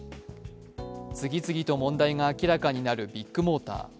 次々と問題が明らかになるビッグモーター。